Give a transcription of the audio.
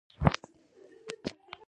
تر اته کلونو پرلپسې چاپ او خپروي.